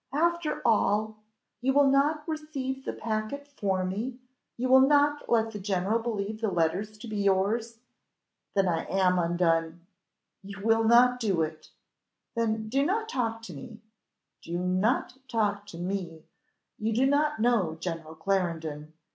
"After all! You will not receive the packet for me! you will not let the general believe the letters to be yours! Then I am undone! You will not do it! Then do not talk to me do not talk to me you do not know General Clarendon.